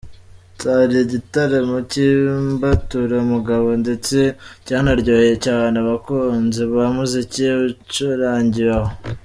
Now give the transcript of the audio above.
Cyari igitaramo cy’imbaturamugabo ndetse cyanaryoheye cyane abakunzi b’umuziki ucurangiwe aho.